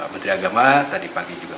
menteri agama tadi pagi juga